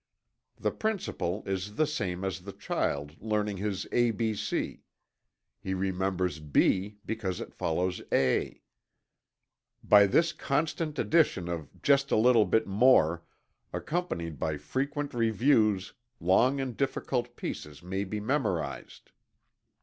The principle is the same as the child learning his A B C he remembers "B" because it follows "A." By this constant addition of "just a little bit more," accompanied by frequent reviews, long and difficult pieces may be memorized.